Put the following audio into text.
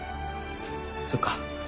そっか。